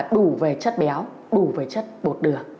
đủ về chất béo đủ về chất bột đường